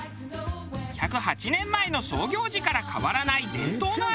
１０８年前の創業時から変わらない伝統の味。